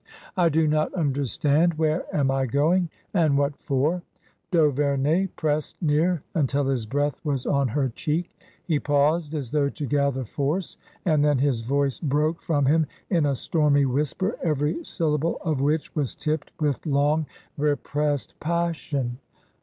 •' I do not understand. Where am I going ? And what for ?" D'Auverney pressed near until his breath was on her cheek. He paused as though to gather force, and then his voice broke from him in a stormy whisper, every syllable of which was tipped with long repressed pas sion.